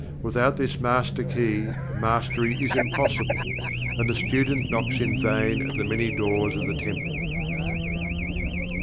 Without this Master Key, Mastery is impossible, and the student knocks in vain at the many doors of The Temple.